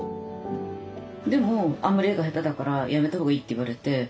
でもあんまり絵が下手だからやめたほうがいいって言われて。